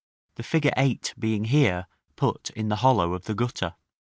the figure 8 being here put in the hollow of the gutter.